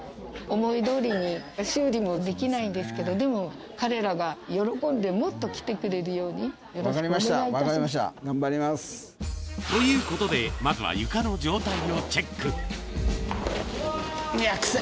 思いどおりに修理もできないんですけど、でも、彼らが喜んでもっと来てくれるように、よろしくお分かりました、頑張ります。ということで、まずは床の状うわ、くせ。